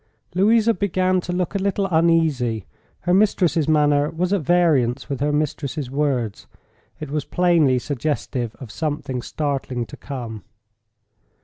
Louisa began to look a little uneasy. Her mistress's manner was at variance with her mistress's words—it was plainly suggestive of something startling to come.